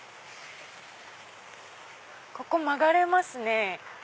ここ曲がれますね。